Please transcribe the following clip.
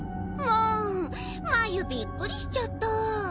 もうマユびっくりしちゃった。